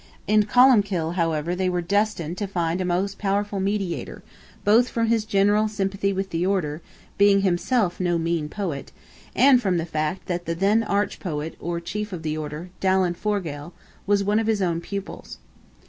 In Columbkill, however, they were destined to find a most powerful mediator, both from his general sympathy with the Order, being himself no mean poet, and from the fact that the then Arch Poet, or chief of the order, Dallan Forgaill, was one of his own pupils.